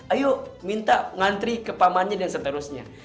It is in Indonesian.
ayo minta ngantri ke pamannya dan seterusnya